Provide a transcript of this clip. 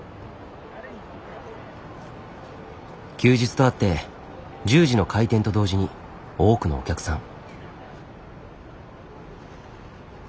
休日とあって１０時の開店と同時に多くのお客さん。